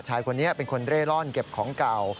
ชายคนนี้เป็นคนเร่ร่อนเก็บของเก่า